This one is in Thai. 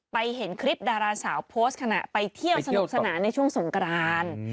เห็นคลิปดาราสาวโพสต์ขณะไปเที่ยวสนุกสนานในช่วงสงกราน